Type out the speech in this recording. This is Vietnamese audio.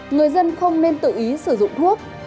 người dân không nên tự ý sử dụng thuốc